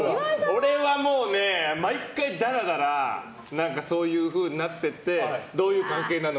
俺はもうね、毎回だらだらそういうふうになっていってどういう関係なの？